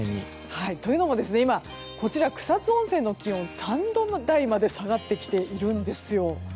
というのも今、草津温泉の気温は３度台まで下がってきているんですよ。